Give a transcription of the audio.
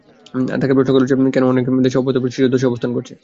তাঁকে প্রশ্ন করা হয়েছিল কেন অনেক দেশ অব্যাহতভাবে শীর্ষ দশে অবস্থান করছে।